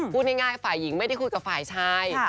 พูดง่ายฝ่ายหญิงไม่ได้คุยกับฝ่ายชาย